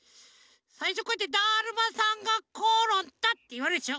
さいしょこうやって「だるまさんがころんだ！」っていわれるでしょ。